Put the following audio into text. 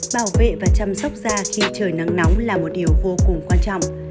bảo vệ và chăm sóc da khi trời nắng nóng là một điều vô cùng quan trọng